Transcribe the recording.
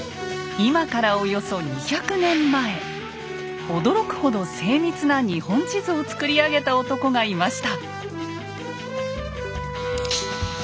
今からおよそ２００年前驚くほど精密な日本地図を作り上げた男がいました。